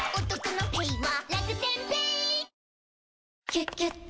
「キュキュット」